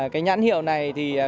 cái nhãn hiệu này thì gắn